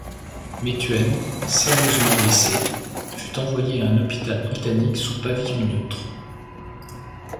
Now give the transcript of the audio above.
Methuen, sérieusement blessé, fut envoyé à un hôpital britannique sous pavillon neutre.